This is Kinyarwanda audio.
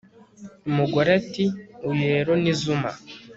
umugore ati uyu rero ni zuma